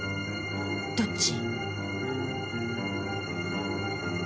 どっち？